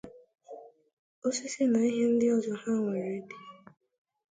osisi na ihe ndị ọzọ ha nwere dị